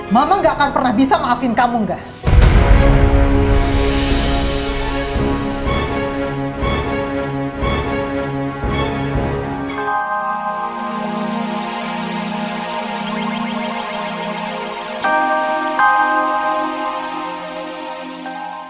mama gak akan pernah bisa maafin kamu gak